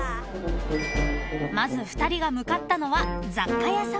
［まず２人が向かったのは雑貨屋さん］